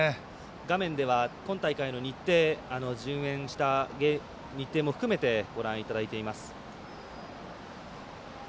画面では、今大会の日程順延した日程も含めてご覧いただいています。